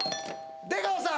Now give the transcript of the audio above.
出川さん！